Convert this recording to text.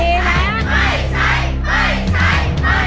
ไม่ใช่ไม่ใช่ไม่ใช่